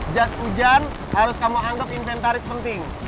jas hujan harus kamu anggap inventaris penting